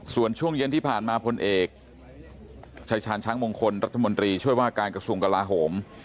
ส่วนช่วงเย็นที่ผ่านมาพลเอกชายชาญช้างมงคลรัฐมนตรีช่วยว่าการกระทรวงกลาโหม